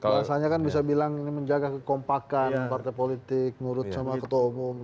bahasanya kan bisa bilang ini menjaga kekompakan partai politik nurut sama ketua umum